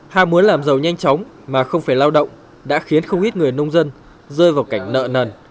ha muốn làm giàu nhanh chóng mà không phải lao động đã khiến không ít người nông dân rơi vào cảnh nợ nần